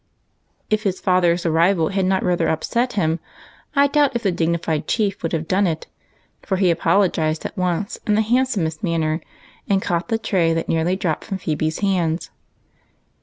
If his father's arrival had not rather upset him, I doubt if the dignified Chief would have done it, for he apologized at once in the hand 236 EIGHT COUSINS. somest manner, and caught the tray that nearly dropped from Phebe's hands.